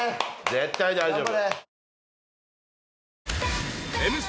絶対大丈夫。